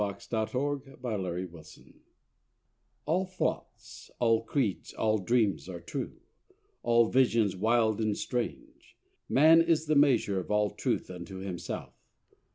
XXIII [Greek: ohi rheontes] I All thoughts, all creeds, all dreams are true, All visions wild and strange; Man is the measure of all truth Unto himself.